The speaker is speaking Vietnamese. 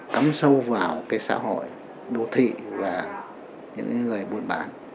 cắm sâu vào cái xã hội đồ thị và những người buôn bản